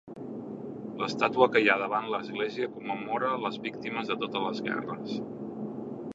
L'estàtua que hi ha davant l'església commemora les víctimes de totes les guerres.